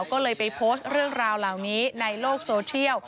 ก็เลยไปโพสต์เรื่องราวเหล่านี้ในโลกโซเทียล